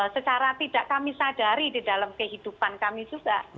secara tidak kami sadari di dalam kehidupan kami juga